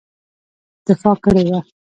دفاع کړې وه.